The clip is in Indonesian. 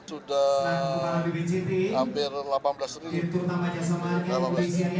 sudah hampir delapan belas triliun